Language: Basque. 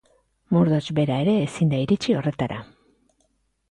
Murdoch bera ere ezin da iritsi horretara.